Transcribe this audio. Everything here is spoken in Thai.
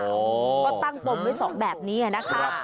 ก็ตั้งปมไว้สองแบบนี้นะคะ